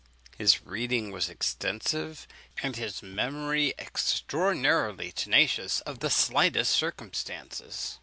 His reading was extensive, and his memory extraordinarily tenacious of the slightest circumstances.